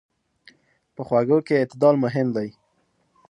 په خوږو کې اعتدال مهم دی.